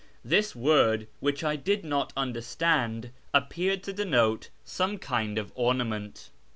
This word, whicli I did not understand, appeared to denote some kind of ornament.